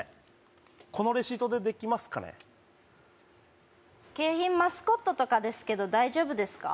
このレシートでできますかね景品マスコットとかですけど大丈夫ですか？